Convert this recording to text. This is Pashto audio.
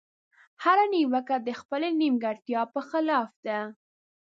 هره نيوکه د خپلې نيمګړتيا په خلاف ده.